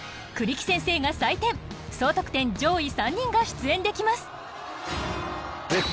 栗木先生が採点総得点上位３人が出演できます。